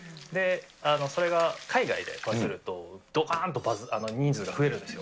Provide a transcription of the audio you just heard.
それが海外でバズると、どかーんと人数が増えるんですよ。